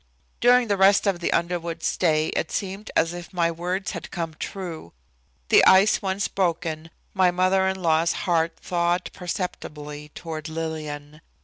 During the rest of the Underwoods' stay it seemed as if my words had come true. The ice once broken, my mother in law's heart thawed perceptibly toward Lillian.